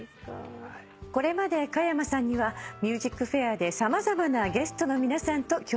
これまで加山さんには『ＭＵＳＩＣＦＡＩＲ』で様々なゲストの皆さんと共演していただきました。